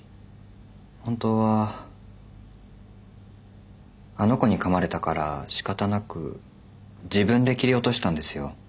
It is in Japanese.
本当はあの子にかまれたからしかたなく自分で切り落としたんですよ。